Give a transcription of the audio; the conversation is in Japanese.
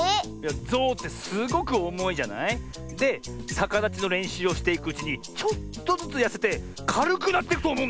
ゾウってすごくおもいじゃない？でさかだちのれんしゅうをしていくうちにちょっとずつやせてかるくなってくとおもうんだよ。